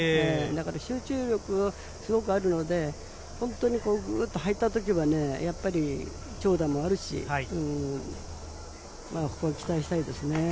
集中力がすごくあるので、本当にグッと入った時はやっぱり長打もあるし、ここは期待したいですね。